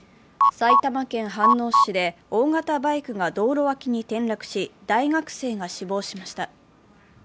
埼玉県飯能市で大型バイクが道路脇に転落し、大学生が死亡しました。